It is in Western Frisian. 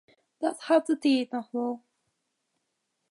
Dat hat de tiid noch wol.